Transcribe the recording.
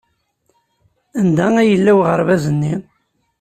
Anda yella uɣerbaz-nni?